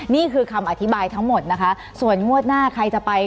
นี่คือคำอธิบายทั้งหมดนะคะส่วนงวดหน้าใครจะไป